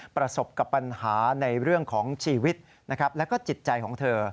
ประสบกับปัญหาในเรื่องของชีวิตนะครับแล้วก็จิตใจของเธอ